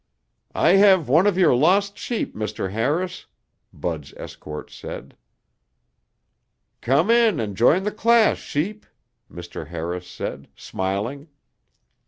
"I have one of your lost sheep, Mr. Harris," Bud's escort said. "Come in and join the class, sheep," Mr. Harris said, smiling.